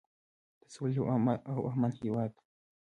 د سولې او امن هیواد.